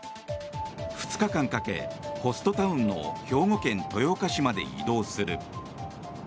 ２日間かけ、ホストタウンの兵庫県豊岡市まで移動する。